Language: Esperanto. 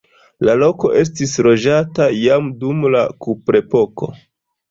La loko estis loĝata jam dum la kuprepoko.